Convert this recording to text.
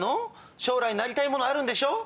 将来なりたいものあるんでしょ？